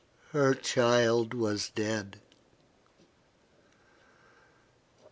Her child was dead.